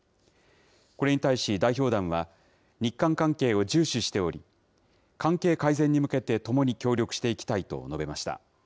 これに対し、代表団は、日韓関係を重視しており、関係改善に向けて共に協力していきたいと述べました。